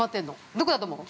どこだと思う？